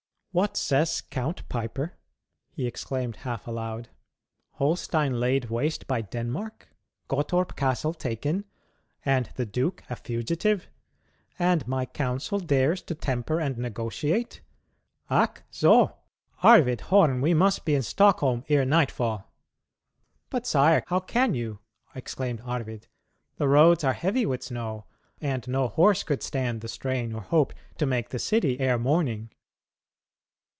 "What says Count Piper?" he exclaimed half aloud; "Holstein laid waste by Denmark, Gottorp Castle taken, and the duke a fugitive? And my council dares to temper and negotiate? Ack; so! Arvid Horn, we must be in Stockholm ere night fall." "But, sire, how can you?" exclaimed Arvid. "The roads are heavy with snow, and no horse could stand the strain or hope to make the city ere morning."